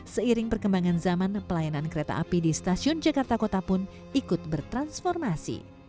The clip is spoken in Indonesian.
seiring perkembangan zaman pelayanan kereta api di stasiun jakarta kota pun ikut bertransformasi